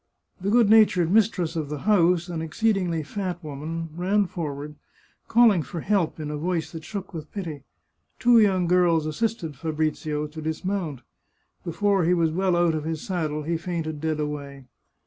The good natured mistress of the house, an exceedingly fat woman, ran forward, calling for help in a voice that shook with pity. Two young girls assisted Fa brizio to dismount. Before he was well out of his saddle he fainted dead away.